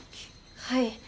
はい。